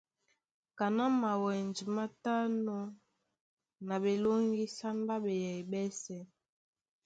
Kaná mawɛndi na tɔnɔ na ɓelóŋgísán ɓá beyɛy ɓɛ́sɛ̄.